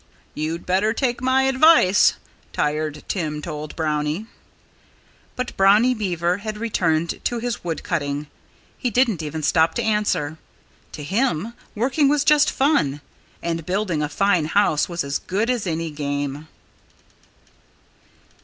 "You'd better take my advice," Tired Tim told Brownie. But Brownie Beaver had returned to his wood cutting. He didn't even stop to answer. To him, working was just fun. And building a fine house was as good as any game.